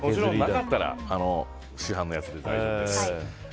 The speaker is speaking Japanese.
なかったら市販のやつで大丈夫です。